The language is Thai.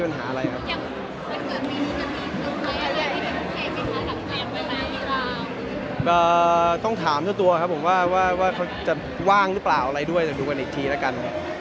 ต้องถามเจ้าตัวครับผมว่าเขาจะว่างหรือเปล่าอะไรด้วยเดี๋ยวดูกันอีกทีแล้วกัน